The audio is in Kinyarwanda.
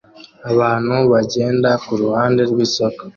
Abantu bagenda kuruhande rwisoko